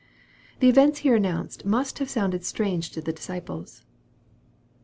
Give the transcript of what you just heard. The events here announced must have sounded strange to the disciples.